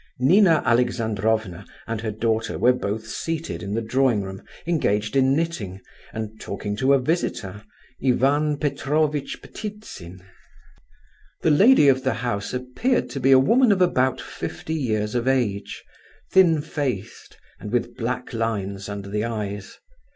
Nina Alexandrovna and her daughter were both seated in the drawing room, engaged in knitting, and talking to a visitor, Ivan Petrovitch Ptitsin. The lady of the house appeared to be a woman of about fifty years of age, thin faced, and with black lines under the eyes.